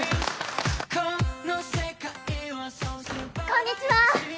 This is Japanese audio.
こんにちは！